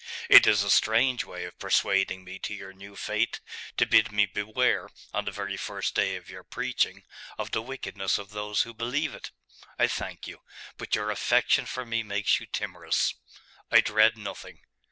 'It is a strange way of persuading me to your new faith, to bid me beware, on the very first day of your preaching, of the wickedness of those who believe it. I thank you: but your affection for me makes you timorous. I dread nothing.